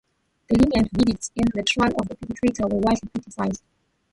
The lenient verdicts in the trial of the perpetrators were widely criticized.